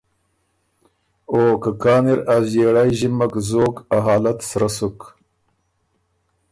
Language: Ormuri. او که کان اِر ا ݫيېړئ ݫِمک زوک ا حالت سرۀ سُک،